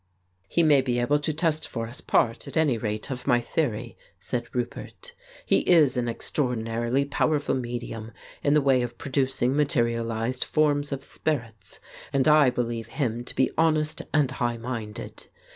"He may be able to test for us part, at any rate, of my theory," said Roupert. "He is an extraordin arily powerful medium in the way of producing materialized forms of spirits, and I believe him to be honest and high minded.